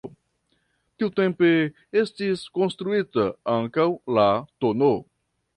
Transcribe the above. Tiutempe estis konstruita ankaŭ la tn.